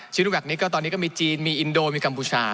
ชีวิตทุกอย่างนี้ตอนนี้ก็มีจีนมีอินโดนีเซียมีกัมพูชา